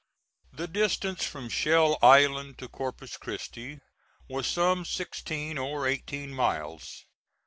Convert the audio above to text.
The distance from Shell Island to Corpus Christi was some sixteen or eighteen miles.